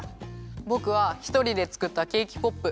ぼくはひとりでつくったケーキポップ。